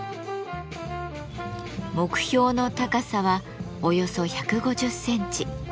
目標の高さはおよそ１５０センチ。